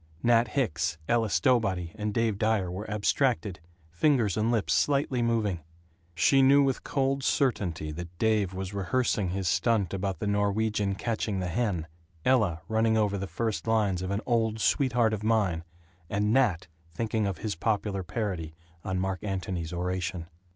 Nat Hicks, Ella Stowbody, and Dave Dyer were abstracted, fingers and lips slightly moving. She knew with a cold certainty that Dave was rehearsing his "stunt" about the Norwegian catching the hen, Ella running over the first lines of "An Old Sweetheart of Mine," and Nat thinking of his popular parody on Mark Antony's oration.